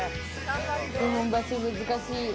日本橋、難しい。